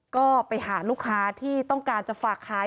ก็ไปหาลูกค้าที่ต้องการจะฝากขาย